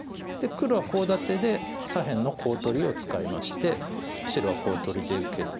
黒はコウ立てで左辺のコウ取りを使いまして白はコウ取りで受ける。